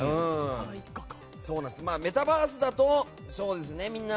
メタバースだと、みんな。